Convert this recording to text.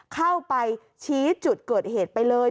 เข้าไปชี้จุดเกิดเหตุไปเลย